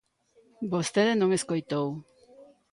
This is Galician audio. Vostede non escoitou.